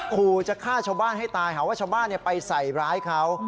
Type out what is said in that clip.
ขู่จะฆ่าชาวบ้านให้ตายหาว่าชาวบ้านไปใส่ร้ายเขา